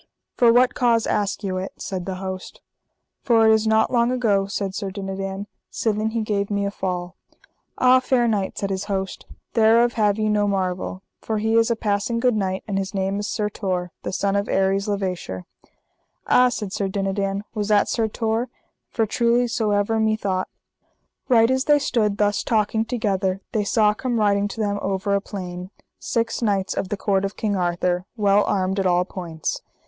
For what cause ask you it? said the host. For it is not long ago, said Sir Dinadan, sithen he gave me a fall. Ah, fair knight, said his host, thereof have ye no marvel, for he is a passing good knight, and his name is Sir Tor, the son of Aries le Vaysher. Ah, said Sir Dinadan, was that Sir Tor? for truly so ever me thought. Right as they stood thus talking together they saw come riding to them over a plain six knights of the court of King Arthur, well armed at all points.